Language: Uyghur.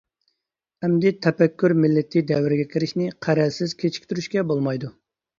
ئەمدى تەپەككۇر مىللىتى دەۋرىگە كىرىشنى قەرەلسىز كېچىكتۈرۈشكە بولمايدۇ.